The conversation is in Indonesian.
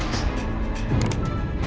mau membantu aku